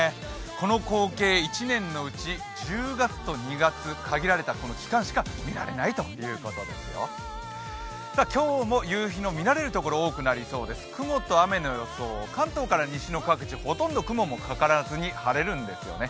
この光景、１年のうち１０月と２月、限られた期間しか見られないということですよ今日も夕日の見られるところが多くなりそうです、雲と雨の予想、関東から西の各地、ほとんど雲もかからずに晴れるんですよね。